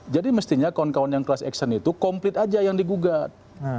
jadi mestinya kawan kawan yang class action itu komplit aja yang digugat